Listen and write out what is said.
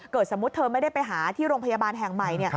สมมุติเธอไม่ได้ไปหาที่โรงพยาบาลแห่งใหม่